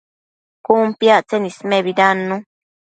Cun piactsen ismebidannu